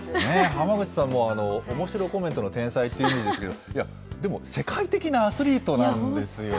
浜口さんもおもしろコメントの天才というイメージですけれども、でも世界的なアスリートなんですよね。